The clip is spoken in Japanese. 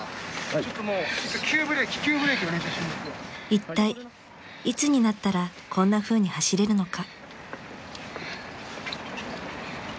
［いったいいつになったらこんなふうに走れるのか］